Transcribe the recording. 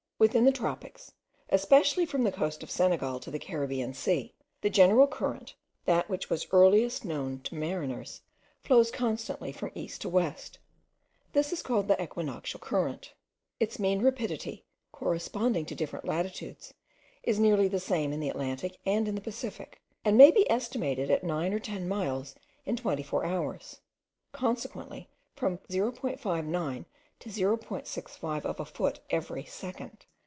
Within the tropics, especially from the coast of Senegal to the Caribbean Sea, the general current, that which was earliest known to mariners, flows constantly from east to west. This is called the equinoctial current. Its mean rapidity, corresponding to different latitudes, is nearly the same in the Atlantic and in the Pacific, and may be estimated at nine or ten miles in twenty four hours, consequently from 0.59 to 0.65 of a foot every second!